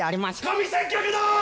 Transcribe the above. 神接客だ！